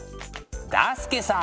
だすけさ！